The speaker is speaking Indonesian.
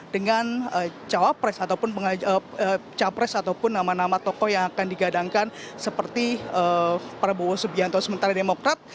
dengan cawapres ataupun nama nama tokoh yang akan digadangkan seperti prabowo subianto sementara demokrat